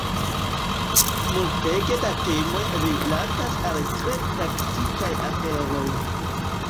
Multege da temoj rilatas al tre praktikaj aferoj.